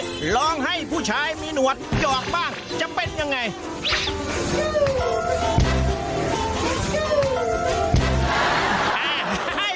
ร้องให้ผู้ชายมีหนวดหยอกบ้างจะเป็นยังไง